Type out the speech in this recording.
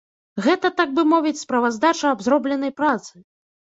Гэта, так бы мовіць, справаздача аб зробленай працы!